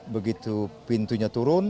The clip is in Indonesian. begitu pintunya turun